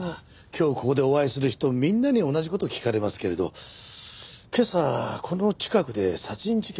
今日ここでお会いする人みんなに同じ事聞かれますけれど今朝この近くで殺人事件が発生しまして。